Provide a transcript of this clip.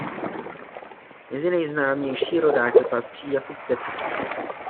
Mezi nejznámější rodáky patří Jakub Teplý.